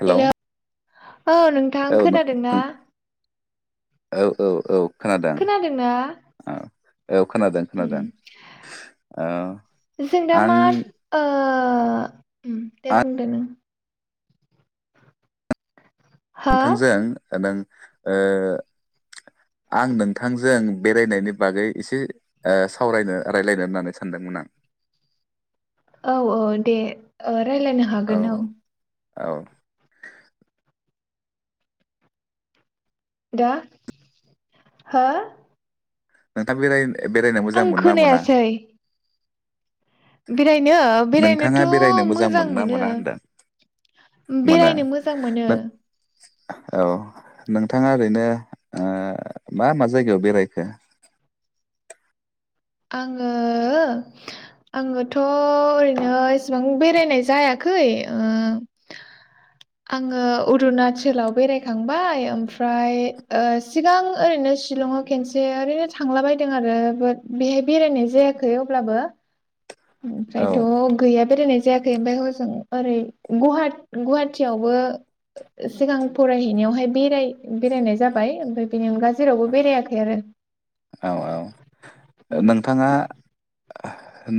Hello औ नोंथां औ नों खोनादों ना? नों औ औ औ खोनादों खोनादोंना? औ औ खोनादों खोनादों। उम ओ जों दा आं मा ओ दे आं बुंदो नों हो औ नोंथांजों नों ओ आं नोंथांजों बेरायनायनि बागै एसे ओ सावरायनो रायलायनो होननानै सानदोंमोन आं औ औ दे ओ रायलायनो हागोन औ औ दा हो नोंथां बेराय बेरायनो मोजां आं मोनो ना मोना खोनायासै? बिराय बेनो बेरायनोथ नोंथाङा बेरायनो मोजां ना मोनो मोना होनदों मोनो बेरायनो मोजां मोनो। औ नोंथाङा ओरैनो ओ मा मा जायगायाव बेरायखो? आङो आङोथ ओरैनो एसेबां बेरायनाय जायाखै आङो अरुनााचलाव बेरायखांबाय। ओमफ्राय ओ सिगां ओरैनो सिशलंआव खनसे ओरैनो थांला बायदों आरो बाट बेहाय बेरायनाय जायाखै अब्लाबो औ ओमफ्रायथ गैया बेरायनाय जायाखै ओमफाय हजों ओरै गुहाट गुवाहाटियावबो सिगां फरायहैनायावहाय बेराय बेरायनाय जाबाय ओमफ्राय बेनि अनगा जेरावबो बेरायाखै आरो औ औ उम, नोंथाङा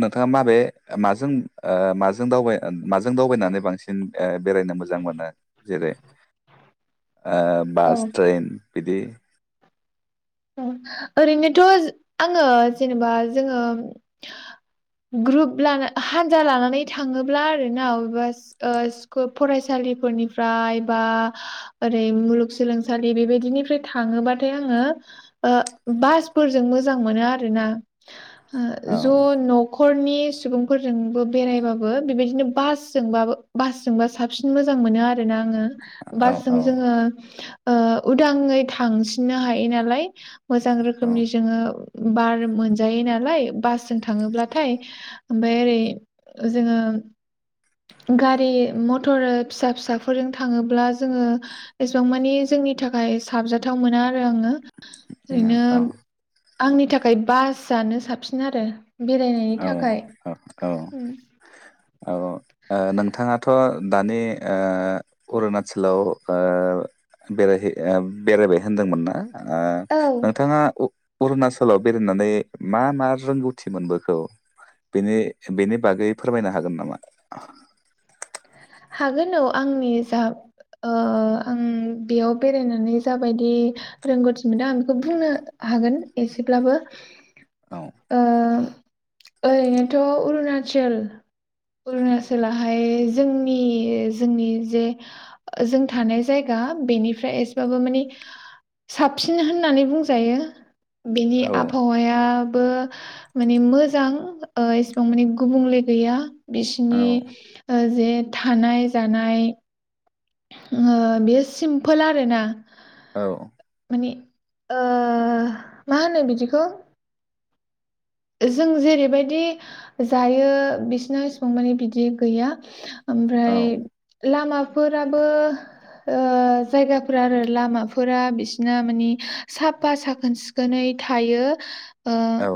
नोंथाङा माबे माजों ओ माजों दावबाय माजों दावबायनानै बांसिन बेरायनो मोजां मोनो जेरै ओ औ बास ट्रेन बिदि ओरैनोथ' आङो जेनेबा जोङो ग्रुप लाना हानजा लानानै थाङोब्ला आरोना अबेबा स्कप फरायसालिफोरनिफ्राय बा ओरै मुलुगसोलोंसालि बेबायदिनिफ्राय थाङोबाथाय आङो ओ बासफोरजों मोजां मोनो आरो ना। औ ज' न'खरनि सुबुंफोरजोंबो बेरायबाबो बेबायदिनो बासजोंबाबो बासजोंबा साबसिन मोजां मोनो आरो ना आङो। औ बासजों औ जोङो ओ उदाङै थांसिननो हायो नालाय। [unintelligible] मोजां औ रोखोमनि जोङो बार मोनजायो नालाय बासजों थाङोब्लाथाय ओमफाय ओरै जोङो गारि मथर फिसा फिसाफोरजों थाङोब्ला जोङो एसेबां मानि जोंनि थाखाय साबजाथाव मोना आरो आङो। ओरैनो औ आंनि थाखाय बासानो साबसिन आरो। बेरायनायनि थाखाय। औ औ नोंथाङाथ' दानि ओ अरुनााचलाव ओ बेरायहै ओ बेरायबाय होनदोंमोन ना? ओ औ नोंथाङा अरुणाचलाव बेरायनानै मा मा रोंगौथि मोनबोखो बेनि बेनि बागै फोरमायनो हागोन? [unintelligible] हागोन औ आंनि जा ओ आं बेयाव बेरायनानै जाबायदि रोंगौथि मोनदों आं बेखौ बुंनो हागोन एसेब्लाबो औ अ ओरैनोथ' अरुणचल अरुनाचलाहाय जों जोंनि -जोंनि जे जों थानाय जायगा बेनिफ्राय एसेबाबो माने साबसिन होननानै बुंजायो। बेनि औ आबहावाया [unintelligible] माने मोजां एसेबां माने गुबुंले गैया। बिसिनि औ ओ जे थानाय -जानाय बेयो सिम्पोल आरो ना। औ [unintelligible] ओ मा होनो बिदिखौ जों जेरैबायदि जायो बिसोरना एसेबां माने बिदि गैया। औ ओमफ्राय लामा [unintelligible] जायगाफोर आरो लामाफोरा बिसिना मानि साफा साखोन- सिखोनै थायो। ओ औ।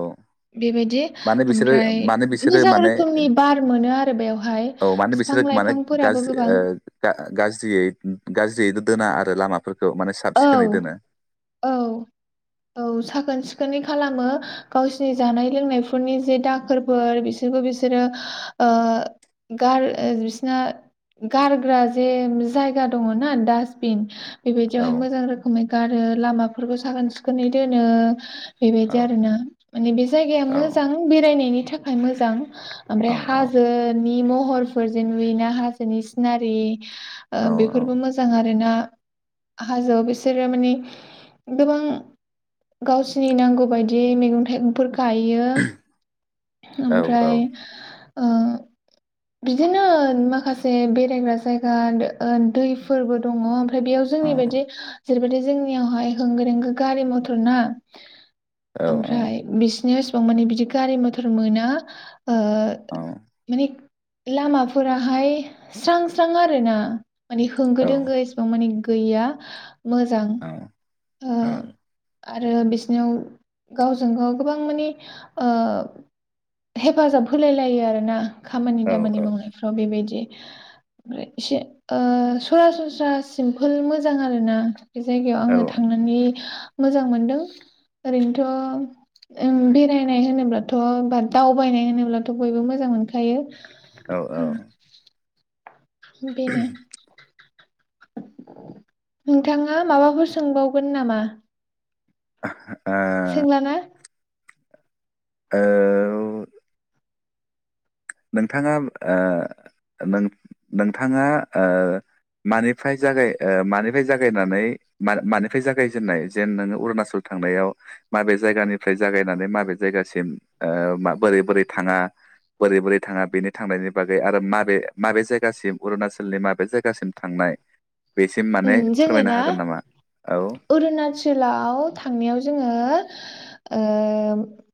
बेबायदि मानो बिसोरो ओमफ्राय मानो बिसोरो मोजां माने रोखोमनि बार मोनो आरो बेवहाय औ मानो बिफां बिसोरो माने लाइफांफोराबो गाज्रि गोबां ओ गा- गाज्रियै गाज्रियै दोना आरो लामा औ औ औ साखोन सि खोनै खालामो गावसोरनि जानाय लोंनायफोरनि जे दाखोरफोर बिसोरखौ बिसोरो बिसोरना गारग्रा जे जायगा दङ ना दासबिन औ बेवहाय मोजां रोखोमै गारो लामाफोरखौ साखोन सिखोनै दोनो औ बेबायदि आरो ना माने बे जायगाया औ मोजां बेरायनायनि थाख थाखाय मोजां औ ओमफ्राय हाजोनि महरफोरजों नुयोना हाजोनि सिनारि औ बेफोरबो मोजां आरो ना अ हाजोआव बिसोरो माने गोबां गावसिनि नांगौ बायदियै मैगं थाइगंफोरख गायो औ औ ओमफ्राय ओ बिदिनो माखासे बेरायग्रा जायगा दैफोरबो दङ ओमफ्राय बेयाव जोंनि बायदि जेरैबायदि जोंनियावहाय होंगो- दोंगो गो गारि मथर ना औ ओमफ्राय बिस एसेबां माने बिदि गारि मथर मोना ओ माने लामाफोराहाय स्रां स्रां आरोना। माने होंगो दोंगो एसेबां माने गै गैया मोजां अ आरो बिसनाव गावजों गाव गोबां माने हेफाजाब होलाय लायो आरोना। खामानि दामानि मावनायफ्राव बेबायदि ओमफ्राय एसे सरासनस्रा सिमपोल मोजां आरो ना। बे जायगायाव औ आङो थांनानै मोजां मोनदों ओरैनोथ' बेरायनाय होनोब्लाथ' बा दावबायनाय होनोब्लाथ' बयबो मोजां मोन खायो औ औ। बिनो नोंथाङा माबाफोर सोंबावगोन नामा? अह सोंला ना? ओ नोंथाङा ओ नोंथाङा मानिफ्राय जागाय ओ मानिफ्राय जागायनानै मानिफ्राय मानिफ्राय जागायजेननाय जेन नोङो अरुनाचल थांनायाव माबे जायगानिफ्राय जागायनानै माबे जायगासिम ओ बोरै बोरै थाङा बोरै बोरै थाङा बेनि थांनायनि बागै आरो माबे माबे जायगासिम अरुणाचलनि माबे जायगासिम थांनाय बेसिम माने ओम जोङो फोरमायनो ना हागोन नामा औ अरुणाचलाव थांनायाव जोङो ओ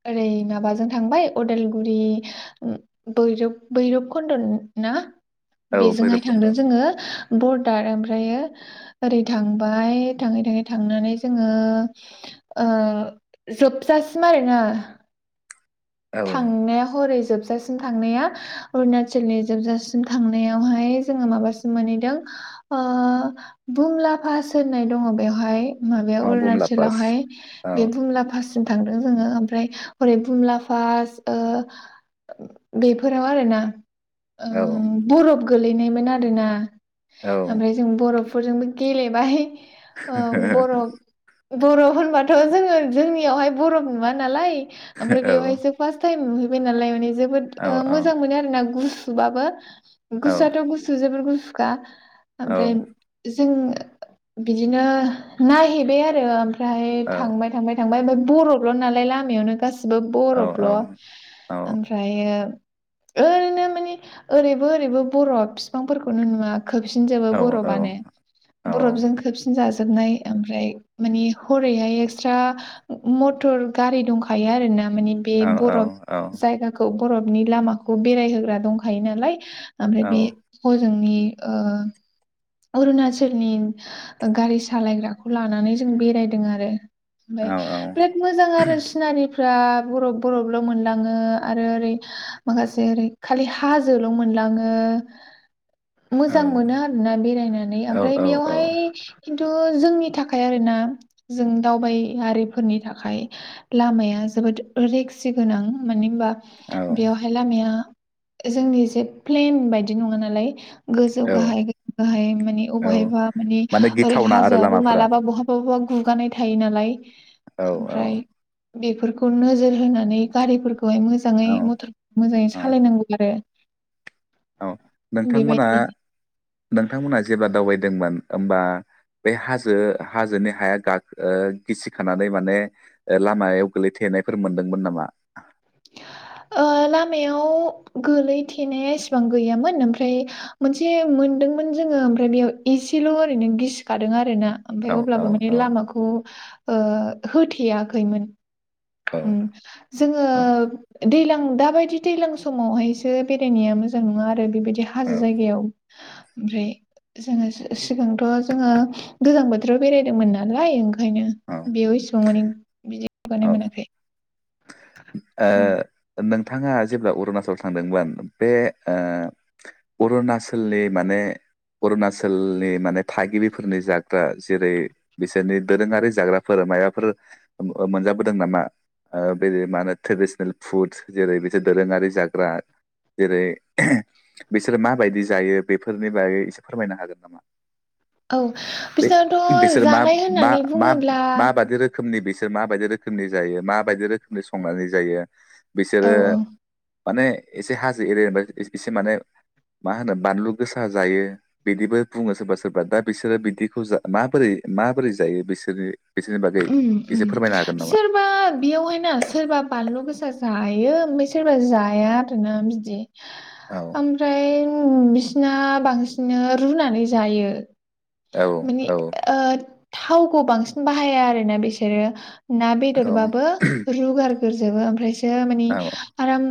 ओरै माबाजों थांबाय अदालगुरि बैर बैरब कुन्दना औ बेजोंहाय भैरब कुन्द' थांदों जोङो बर ओमफ्रायो ओरै थांबाय थाङै थाङै थांनानै जोङो ओ जोबजासिम आरोना औ थांनाया हरै जोबसै जोबजासिम थांनाया अरुणाचलनि जोबजासिम थांनायावहाय जोङो माबासिम मोनहैदों ओ भुमलाफास होननाय दङ बेवहाय माबायाव औ बुमला पास अरुणाचलावहाय औ बे बुमलाफास थांदों जोङो ओमफ्राय हरै बुमला पास ओ बेफोराव आरोना ओ औ बरफ गोलैनायमोन आरोना औ ओमफ्राय जों बरफ बरफफोरजोंबो गेलेबाय ओ बरफ बरफ होनबाथ जोङो जोंनियावहाय बरफ नुवा नालाय आमफ्राय औ बेयावहाय [unintelligible] जोबोद औ ओ मोजां मोनो आरोना गुसु गुसुबाबो औ गुसुआथ गुसु जोबोर गुसु गुसुखा औ ओमफ्राय जों बिदिनो नायहैबाय आरो ओमफ्राय औ थांबाय थांबाय थांबाय ओमफ्राय बरफल' नालाय लामायावनो गासैबो बरफ ब्ल माने ओमफ्रायो ओरैनो माने ओरैबो ओरैबो बरब फिफांफोरखौनो नुवा खोबसिनजोबो बरफानो बरफजों खोबसिन जाजोबो ओमफ्राय माने हरैहाय एक्सरा मथर गारि दंखायो आरोना माने बे बरफ जायगाखौ बरफनि लामाखौ बेरायहोग्रा दंखायो नालाय ओमफ्राय बे फ जोंनि ओ अरुणाचलनि गारि सालायग्राखौ लानानै जों बेरायदों आरो ओमफ्राय बिराद मोजां आरो सिनारि फ्रा बरफ बरफल मोनलाङो आरो ओरै माखासे ओरै खालि हाजोल मोनलाङो मोजां मोनो आरोना बेराय नायनानै ओमफ्राय बेयावहाय खिन्थु जोंनि थाखाय आरोना जों दावबायारिफोरनि थाखाय लामाया जोबोद रेक्सि गोनां मानो होनबा बेयावहाय लामाया जोंनि जे प्लेन बायदि नङा नालाय गोजौ गाहाय गाहाय माने अबेहायबा माने ओरै गिथावना आरो हाजोआबो लामाफोरा मालाबा बहाबा बबा गु गुगानाय थायो नालाय औ औ ओमफ्राय बेफोरखौ नोजोर होनानै गारिफोरखौ खौहाय मोजाङै औ मथर मोजाङै औ सालायनांगौ आरो औ नोंथांमोना बेबायदि नोंथांमोनहा जेब्ला दावबायदोंमोन ओमबा बे हाजो हाजोनि हाया गा गिसिखानानै माने लामायाव गोलैथेनायफोर मोनदोंमोन नामा ओ लामायाव गोलैथेनाया एसेबां गैयामोन ओमफ्राय मोनसे मोनदोंमोन जोङो ओमफ्राय बेयाव एसेल ओरैनो गिसिखादों आरो ना औ ओमफ्राय औ अब्लाबो माने औ लामाखौ ओ होथेयाखैमोन औ उम जोङो दैज्लां दाबायदि दैज्लां समावहायसो बेरायनाया मोजां नङा आरो बेबायदि हाजो जायगायाव ओमफ्राय जोङो सि सिगांथ' जोङो गोजां बोथोराव बेरायदोंमोन नालाय ओंखायनो औ बेयाव इसेबां माने बिदि औ गोगानाय मोनाखै उम ओ नों नोंथाङा जेब्ला अरुणाचल थांदोंमोन बे ओ अरुणाचलनि माने अरुणाचलनि माने थागिबिफोरनि जाग्रा जेरै बिसोरनि दोरोङारि जाग्राफोर माबाफोर मोनजाबोदों नामा ओ बेदि मा होनो ट्रेडिसनेल फुड जेरै बिसोर दोरोङारि जाग्रा जेरै बिसोर माबायदि जायो बेफोरनि बागै एसे फोरमायनो हागोन नामा औ बे बिसनाथ बिसोर मा जानाय मा होननानै मा बुङोब्ला माबायदि रोखोमनि बिसोर माबायदि रोखोमनि जायो माबायदि रोखोम संनानै जायो औ बिसोरो औ माने एसे हाजो एरियाबा एसे माने मा होनो बानलु गोसा जायो बिदिबो बुङो सोरबा सोरबा दा बिसोरो बिदिखौ जा माबोरै माबोरै जायो बिसोरो उम उम सोरबा बेयावहाय ना सोरबा बानलु गोसा जायो ओमफ्राय सोरबा जाया आरोना बिदि, औ ओमफ्राय औ बिसना बांसिन रुनानै जायो। औ माने औ ओद थावखौ बांसिन बाहाया [unintelligible] बिसोरो ना औ बेदरबाबो रुगार, गोरजोबो ओमफ्राय [unintelligible] मानि औ आराम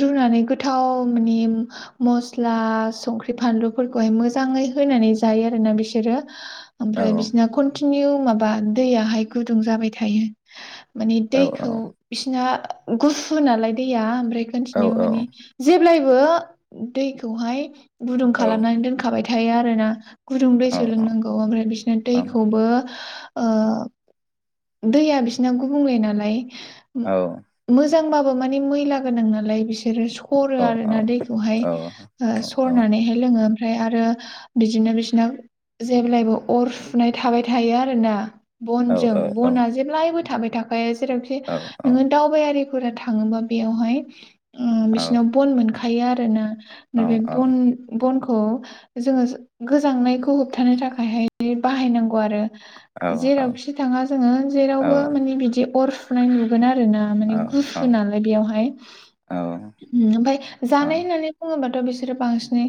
रुनानै गोथाव माने मस्ला संख्रि फानलुफोरखौहाय मोजाङै होनानै जायो आरोना बिसोरो औ ओमफ्राय बिसिना खनथि कतिनिनु माबा दैयाहाय गुदुं जाबाय थायो, माने औ दैखौ बिसिना, गुफु नालाय दैया ओमफ्राय औ मोनथिनो माने जे जेब्लायबो दैखौहाय, गुदुं औ खालामनानै दोनखाबाय, थायो आरो ना? गुदुं दै औ सोलोंनांगौ ओमफ्राय बिसिना दैखौबो, अ दैया बिसना गुबुंले नालाय, मो औ मोज मोजांबाबो माने मैला गोनां नालाय बिसो सोरो सोरो औ आरो ना दैखौहाय औ सरनानैहाय लोङो फ्राय आरो बिदिनो बिसिना जेब्लायबो अर फुनाय थाबाय थायो आरोना? औ बनजों औ बना जेब्लायबो थाबाय थाखायो जेरावखि नोङो दावबायारि फोर थाङोबा बेयावहाय, ओम बिसिरनाव बन मोनखा थायो आरो ना? बे बन बनखौ खौ जोङो गोजांनायखौ होबथानो थाखायहाय बाहायनांगौ आरो जेरावखि थाङा जोङो जेरावबो माने बिदि अर [unintelligible] ना माने गुसु नालाय बेयावहाय उम ओमफाय जानाय होननानै बुङोबा। बिसोरो बांसिनै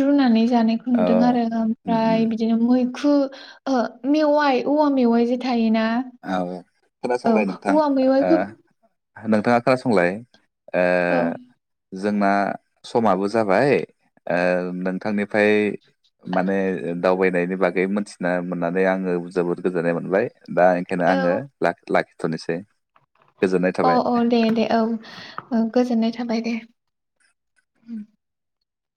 रुनानै। जानायखौ औ नुदों आरो उम ओमफ्राय बिदिनो मै खु ओहो मेवाइ। औवा मेवाइ जे थायोना। औ औ खोनासंलाय नोंथां औवा ओ मेवाइखौ नोंथाङा खोनासंलाय। ओ। औ जोंना समाबो जाबाय नोंथांनिफ्राय माने दावबायनायनि बागै मोनथिना मोननानै आङो जोबोद गोजोननाय मोनबाय दा। बेखायनो आङो ला-लाखि थ'नोसै। औ-औ दे-दे औ ओ गोजोननाय था बाय दे।